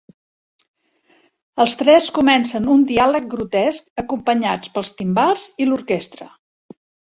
Els tres comencen un diàleg grotesc, acompanyats pels timbals i l'orquestra.